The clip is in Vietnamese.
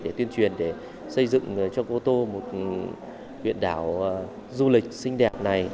để tuyên truyền để xây dựng cho cô tô một huyện đảo du lịch xinh đẹp này